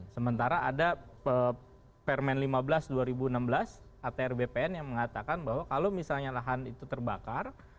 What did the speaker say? sementara ada permen lima belas dua ribu enam belas atr bpn yang mengatakan bahwa kalau misalnya lahan itu terbakar